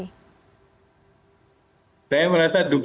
saya merasa dugaan saya mungkin karena ada keseimbangan yang diinginkan oleh mereka